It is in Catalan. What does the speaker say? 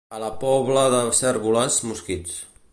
A la Pobla de Cérvoles, mosquits.